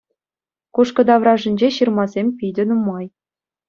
Кушкӑ таврашӗнче ҫырмасем питӗ нумай.